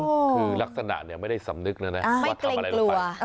คือลักษณะไม่ได้สำนึกนะไม่เกรงกลัว